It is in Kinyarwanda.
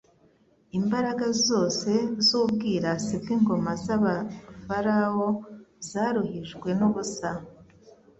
Imbaraga zose, z'ubwirasi bw' ingoma z'Abafarawo zaruhijwe n'ubusa